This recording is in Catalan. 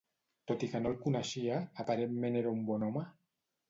Tot i que no el coneixia, aparentment era un bon home….